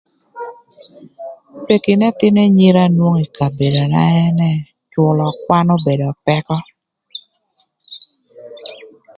Peki n'ëthïnö anyira nwongo kï ï kabedona ënë cülö kwan obedo pëkö